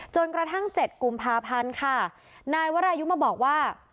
จนกระทั่งเจ็ดกุมภาพันธ์ค่ะนายวรายุมาบอกว่า